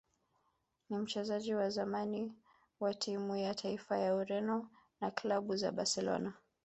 ni mchezaji wa zamani wa timu ya taifa ya Ureno na klabu za Barcelona